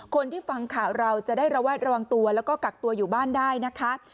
คนที่ฟังข่าวเราจะได้ระแวดระวังตัวแล้วก็กักตัวอยู่บ้านได้นะคะ